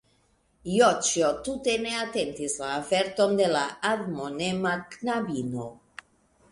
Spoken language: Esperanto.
Joĉjo tute ne atentis la averton de la admonema knabino.